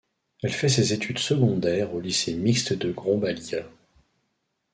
Elle fait ses études secondaires au lycée mixte de Grombalia.